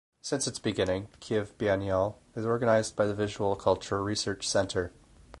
Since its beginning Kyiv Biennial is organized by the Visual Culture Research Center.